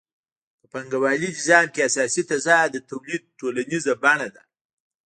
په پانګوالي نظام کې اساسي تضاد د تولید ټولنیزه بڼه ده